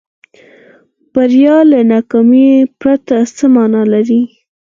بریا له ناکامۍ پرته څه معنا لري.